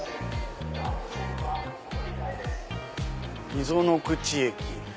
溝の口駅。